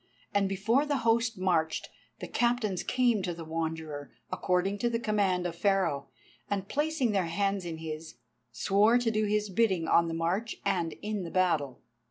And before the host marched, the Captains came to the Wanderer, according to the command of Pharaoh, and placing their hands in his, swore to do his bidding on the march and in the battle.